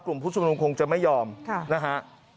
กลุ่มผู้ชุมนุมคงจะไม่ยอมนะฮะ